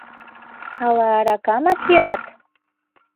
Ала аракамат йӱат?